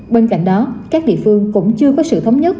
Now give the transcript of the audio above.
bên cạnh đó các địa phương cũng chưa có sự thống nhất